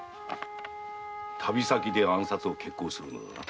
旅先で暗殺を決行するのだな。